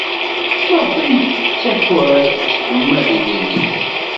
Maɣef ay yettaxer seg umahil-nnes?